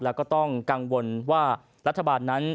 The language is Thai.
แล้วก็ต้องกังวลว่ารัฐบาลนั้น